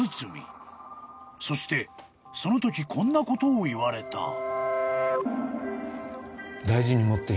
［そしてそのときこんなことを言われた］